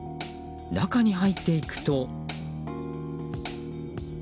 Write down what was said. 中に入っていくと。